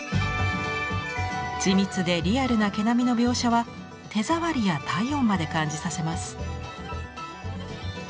緻密でリアルな毛並みの描写は手触りや体温まで感じさせます。